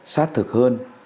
xác thực hơn